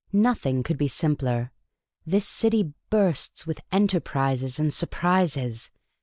" Nothing could be simpler. This city bursts with enterprises ana surprises.